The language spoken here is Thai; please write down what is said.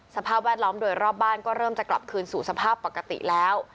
สภาพแวดล้อมโดยรอบบ้านก็เริ่มจะกลับคืนสู่สภาพปกติแล้ว